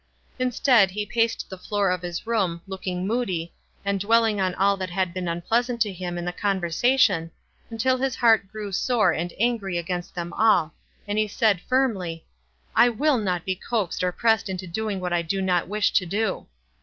Instead he paced (ho floor of his room, looking moody, and dweiiii^ o.i ull that had beca unpleasant to 326 F WISE AND OTHERWISE. him in the conversation, until his heart grew sore and angry against them all, and he said, firmly, "I will not be coaxed or pressed into doing what I do not wish to do."